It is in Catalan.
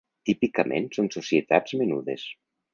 Típicament són societats menudes.